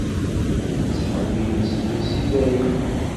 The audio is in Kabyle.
Nettḥemmid isem-is i dayem.